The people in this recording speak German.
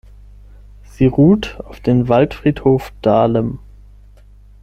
Sie ruht auf dem Waldfriedhof Dahlem.